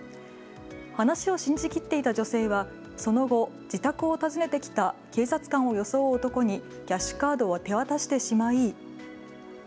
話を信じきっていた女性はその後、自宅を訪ねてきた警察官を装う男にキャッシュカードを手渡してしまい。